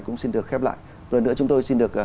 cũng xin được khép lại lần nữa chúng tôi xin được